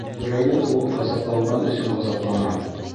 Күберәген ул ғазапланған өсөн ғазапланам.